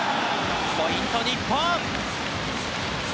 ポイント、日本！